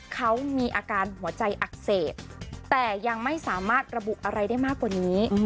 เขามีอาการหัวใจอักเสบแต่ยังไม่สามารถระบุอะไรได้มากกว่านี้